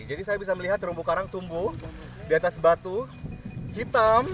jadi saya bisa melihat rumbu karang tumbuh di atas batu hitam